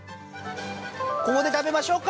◆ここで食べましょうか。